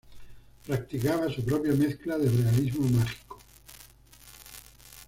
Practicaba su propia mezcla de realismo mágico.